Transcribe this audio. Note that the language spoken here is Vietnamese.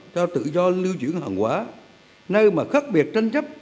cho tự do lưu chuyển hàng hóa nơi mà khác biệt tranh chấp